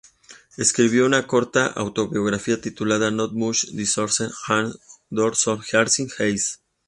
Escribió una corta autobiografía titulada "Not Much Disorder and Not So Early Sex".